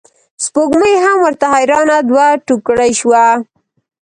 سپوږمۍ هم ورته حیرانه دوه توکړې شوه.